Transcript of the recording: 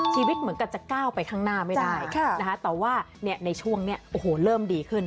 ชีวิตเหมือนกันจะก้าวไปข้างหน้าไม่ได้นะคะแต่ว่าในช่วงนี้โอ้โหเริ่มดีขึ้น